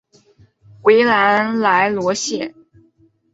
维兰莱罗谢。